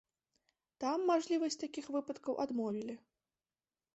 Там мажлівасць такіх выпадкаў адмовілі.